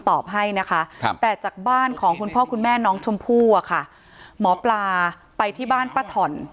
ตอบให้นะคะแต่จากบ้านของคุณพ่อคุณแม่น้องชมพู่อะค่ะหมอปลาไปที่บ้านป้าถ่อน